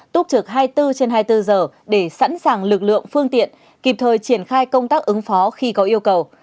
túc trực hai mươi bốn trên hai mươi bốn giờ để sẵn sàng lực lượng phương tiện kịp thời triển khai công tác ứng phó khi có yêu cầu